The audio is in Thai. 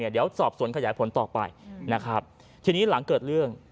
เดี๋ยวสอบสวนขยายผลต่อไปนะครับทีนี้หลังเกิดเรื่อง